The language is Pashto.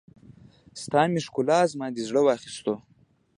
ستا مې ښکلا، زما دې زړه واخيستو